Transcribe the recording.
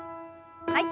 はい。